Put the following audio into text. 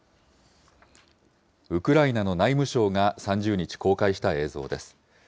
ウクライナの内務省が３０日、公開した映像です。